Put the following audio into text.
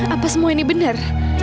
apa semua ini benar